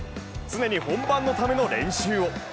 常に本番のための練習を。